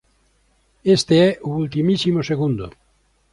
Este é o ultimísimo segundo.